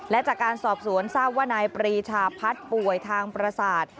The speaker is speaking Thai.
และจากการสอบสวนทราบว่านายปรีชาพัฒน์ป่วยทางประสาท